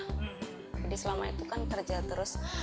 jadi selama itu kan kerja terus